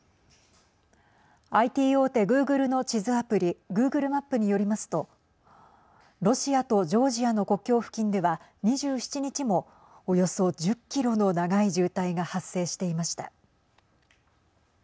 ＩＴ大手グーグルの地図アプリグーグルマップによりますとロシアとジョージアの国境付近では２７日もおよそ１０キロの長い渋滞が発生していました。